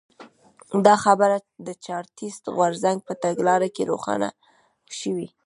دا خبره د چارټېست غورځنګ په تګلاره کې روښانه شوې.